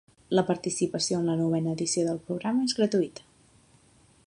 La participació en la novena edició del programa és gratuïta.